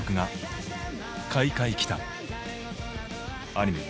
アニメ